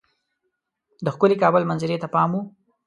د ښکلي کابل منظرې ته پام وو.